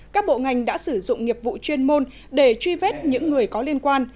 các bộ ngành đã sử dụng nghiệp vụ chuyên môn để truy vết những người có liên quan